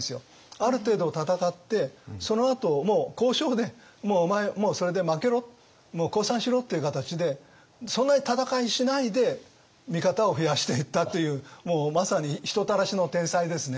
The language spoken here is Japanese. ある程度戦ってそのあともう交渉でもうお前それで負けろもう降参しろっていう形でそんなに戦いしないで味方を増やしていったというもうまさに人たらしの天才ですね。